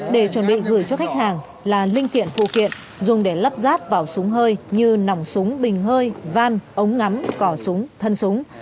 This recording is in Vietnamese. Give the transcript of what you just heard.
để chuẩn bị gửi cho khách hàng là linh kiện phụ kiện dùng để lắp ráp vào súng hơi như nòng súng bình hơi van ống ngắm cỏ súng thân súng